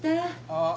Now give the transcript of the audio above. あっ。